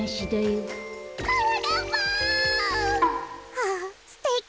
あぁすてき！